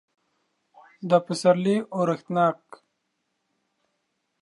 دا پسرلی اورښتناک